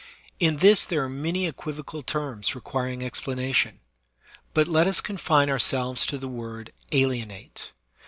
In this there are many equivocal terms requiring explanation ; but let us confine ourselves to the word ALIENATE.